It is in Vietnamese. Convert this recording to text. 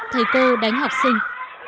thầy cô đánh học sinh